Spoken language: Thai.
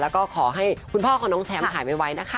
แล้วก็ขอให้คุณพ่อของน้องแชมป์หายไวนะคะ